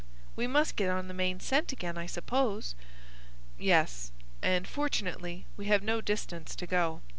"We must get on the main scent again, I suppose." "Yes. And, fortunately, we have no distance to go.